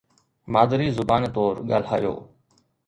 مادري زبان طور ڳالهايو